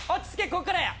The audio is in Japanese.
ここからや。